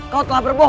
kau telah berbohong